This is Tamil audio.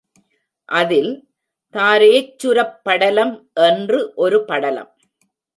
அதில் தாரேச்சுரப் படலம் என்று ஒரு படலம்.